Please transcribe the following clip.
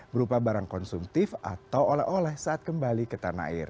berupa barang konsumtif atau oleh oleh saat kembali ke tanah air